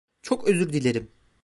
Çok özür dilerim.